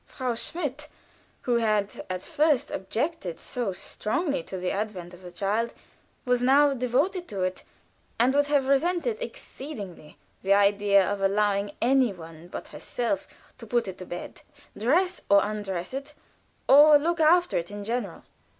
Frau Schmidt, who had at first objected so strongly to the advent of the child, was now devoted to it, and would have resented exceedingly the idea of allowing any one but herself to put it to bed, dress or undress it, or look after it in general.